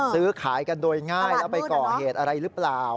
ซื้อขายกันโดยง่ายแล้วไปก่อเหตุอะไรหรือเปล่า